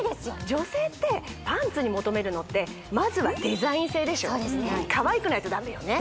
女性ってパンツに求めるのってまずはデザイン性でしょかわいくないとダメよね